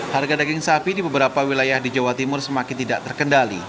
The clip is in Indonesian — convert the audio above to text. harga daging sapi di beberapa wilayah di jawa timur semakin tidak terkendali